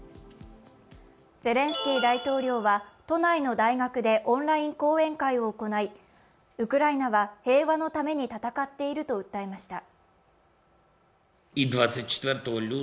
ゼレンスキー大統領は都内の大学でオンライン講演会を行いウクライナは平和のために戦っていると訴えました。